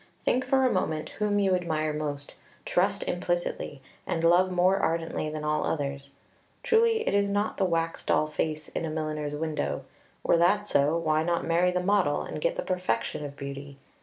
Think for a moment whom you admire most, trust implicitly, and love more ardently than all others. Truly, it is not the wax doll face in a milliner's window; were that so, why not marry the model and get the perfection of beauty?